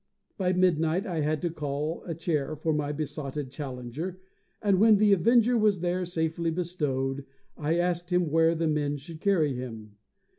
By midnight I had to call a chair for my besotted challenger, and when the Avenger was there safely bestowed, I asked him where the men should carry him?